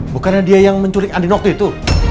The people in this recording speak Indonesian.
bukannya dia yang menculik andin waktu itu